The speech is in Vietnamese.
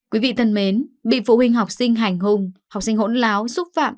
quý vị thân mến bị phụ huynh học sinh hành hùng học sinh hỗn láo xúc phạm